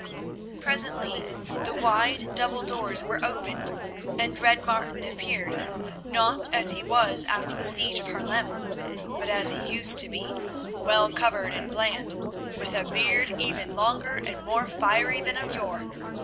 Presently the wide double doors were opened, and Red Martin appeared, not as he was after the siege of Haarlem, but as he used to be, well covered and bland, with a beard even longer and more fiery than of yore.